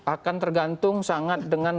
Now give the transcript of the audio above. akan tergantung sangat dengan